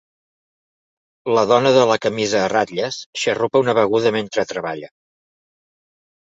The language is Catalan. La dona de la camisa a ratlles xarrupa una beguda mentre treballa.